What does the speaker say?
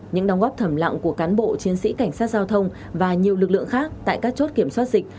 những đóng góp thầm lặng của cán bộ chiến sĩ cảnh sát giao thông và nhiều lực lượng khác tại các chốt kiểm soát dịch